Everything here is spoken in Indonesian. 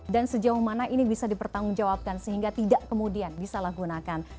dan sejauh mana ini bisa dipertanggungjawabkan sehingga tidak kemudian disalahgunakan